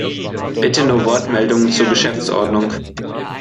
Bitte nur Wortmeldungen zur Geschäftsordnung.